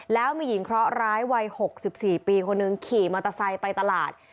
แล้วมีหญิงเคราะหร้ายวัย๖๔ปีคนหนึ่งขี่มอเตอร์ไซค์ไปตลาด